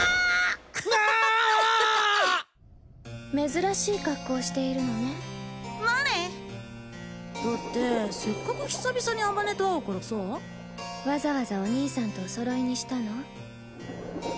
珍しい格好をしているのねまあねだってせっかく久々に普と会うからさわざわざお兄さんとおそろいにしたの？